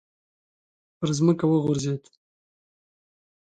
پر ځمکه وغورځېد.